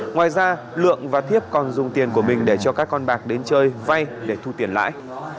ngoài ra lượng và thiếp còn dùng tiền của mình để cho các con bạc đến chơi vay để thu tiền lãi